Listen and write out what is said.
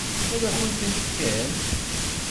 Ad kent-ten-fken?